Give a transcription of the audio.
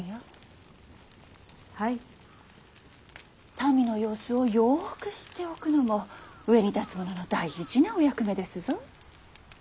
民の様子をよく知っておくのも上に立つ者の大事なお役目ですぞ。